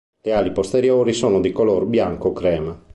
Le ali posteriori sono di color bianco crema.